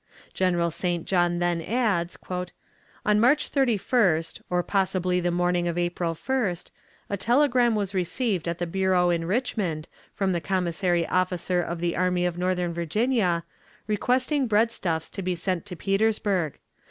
General St. John then adds: "On March 31st, or possibly the morning of April 1st, a telegram was received at the bureau in Richmond, from the commissary officer of the Army of Northern Virginia, requesting breadstuffs to be sent to Petersburg.